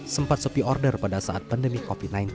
sempat sepi order pada saat pandemi covid sembilan belas